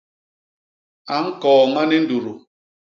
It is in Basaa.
A ñkooña ni ndudu.